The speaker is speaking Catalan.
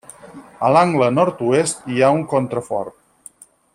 A l'angle Nord-oest hi ha un contrafort.